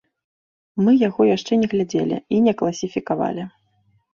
Мы яго яшчэ не глядзелі і не класіфікавалі.